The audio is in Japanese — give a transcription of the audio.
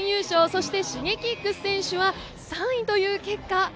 そしてＳｈｉｇｅｋｉｘ選手は３位という結果。